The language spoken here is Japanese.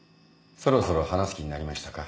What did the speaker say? そろそろ話す気になりましたか？